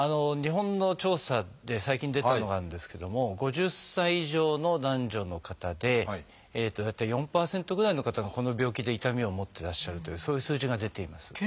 日本の調査で最近出たのがあるんですけども５０歳以上の男女の方で大体４％ぐらいの方がこの病気で痛みを持ってらっしゃるというそういう数字が出ています。